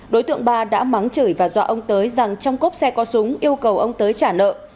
đối tượng ba đã mắng chửi và dọa ông tới rằng trong cốp xe có súng yêu cầu ông tới trả nợ